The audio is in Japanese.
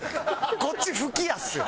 こっち吹き矢ですよ。